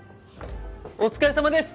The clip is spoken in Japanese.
お疲れさまです！